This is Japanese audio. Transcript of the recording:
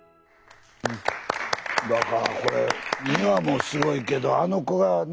だからこれｍｉｗａもすごいけどあの子がね